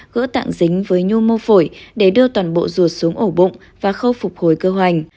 gỡ tạm dính với nhu mô phổi để đưa toàn bộ rùa xuống ổ bụng và khâu phục hồi cơ hoành